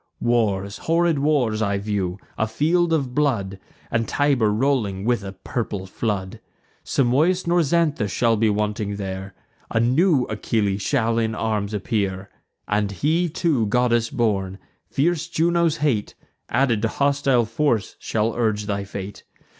Wars, horrid wars, I view; a field of blood, And Tiber rolling with a purple flood. Simois nor Xanthus shall be wanting there: A new Achilles shall in arms appear, And he, too, goddess born. Fierce Juno's hate, Added to hostile force, shall urge thy fate.